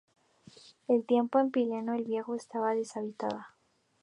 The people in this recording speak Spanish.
En tiempos de Plinio el Viejo estaba deshabitada.